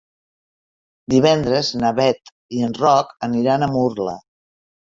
Divendres na Bet i en Roc aniran a Murla.